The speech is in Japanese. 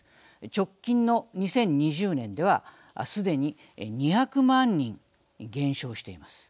直近の２０２０年ではすでに２００万人減少しています。